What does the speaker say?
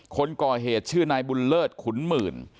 คนก่อเหตุชื่อนายบุญเลิศขุนหมื่น